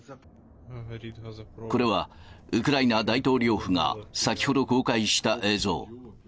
これはウクライナ大統領府が、先ほど公開した映像。